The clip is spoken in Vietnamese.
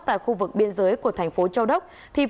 tại khu vực biên giới của thành phố châu đốc